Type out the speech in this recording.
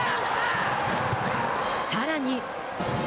さらに。